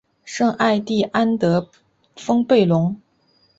圣艾蒂安德丰贝隆。